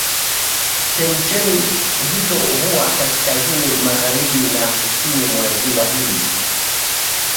Chemchemi hizo huwa kaskazini magharibi na kusini mwa ziwa hili.